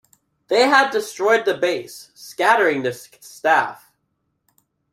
They had destroyed the base, scattering the staff.